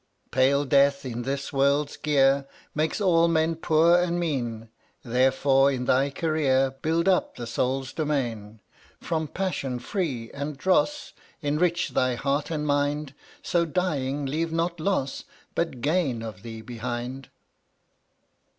Pale Death in this world's gear Makes all men poor and mean, Therefore in thy career Build up the soul's demesne; From passion free and dross Enrich thy heart and mind, So, dying, leave not loss But gain of thee behind.